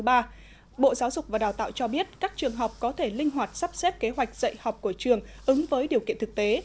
bộ giáo dục và đào tạo cho biết các trường học có thể linh hoạt sắp xếp kế hoạch dạy học của trường ứng với điều kiện thực tế